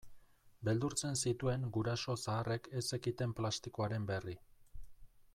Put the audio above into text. Beldurtzen zituen guraso zaharrek ez zekiten plastikoaren berri.